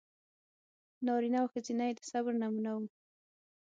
نارینه او ښځینه یې د صبر نمونه و.